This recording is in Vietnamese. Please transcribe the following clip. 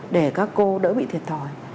để các cô đỡ bị thiệt thòi